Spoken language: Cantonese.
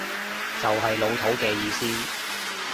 就係老土嘅意思